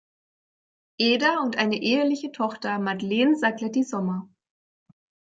Eder und eine eheliche Tochter Madeleine Sarcletti-Sommer.